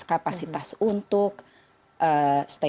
kapasitas untuk berusaha